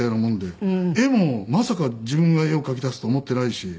絵もまさか自分が絵を描きだすと思ってないし。